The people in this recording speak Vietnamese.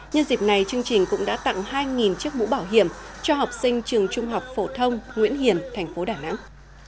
nhân dịp này chương trình cũng đã tặng hai chiếc mũ bảo hiểm cho học sinh trường trung học phổ thông nguyễn hiền thành phố đà nẵng